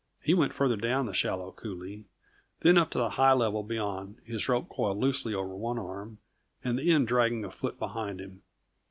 He went farther down the shallow coulée, then up to the high level beyond, his rope coiled loosely over one arm with the end dragging a foot behind him.